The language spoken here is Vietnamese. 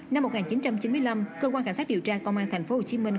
năm một nghìn chín trăm chín mươi năm cơ quan cảnh sát điều tra công an thành phố hồ chí minh